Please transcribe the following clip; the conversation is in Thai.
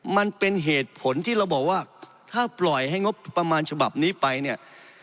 มันเป็นเหตุผลที่เราบอกว่าถ้าปล่อยให้งบประมาณฉบับนี้ไปเนี่ย